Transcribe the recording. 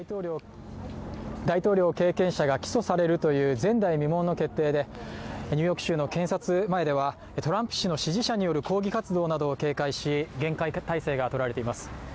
大統領経験者が起訴されるという前代未聞の決定でニューヨーク州の検察前ではトランプ氏の支持者による抗議活動などを警戒し、厳戒態勢がとられています。